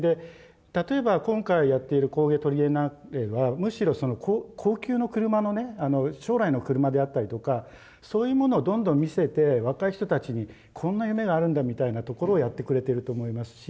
例えば今回やっている工芸トリエンナーレはむしろその高級の車のね将来の車であったりとかそういうものをどんどん見せて若い人たちにこんな夢があるんだみたいなところをやってくれてると思いますし。